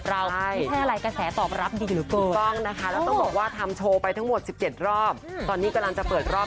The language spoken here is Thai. เรายังโชคดีที่วาดเรายังมีแฟนคลับ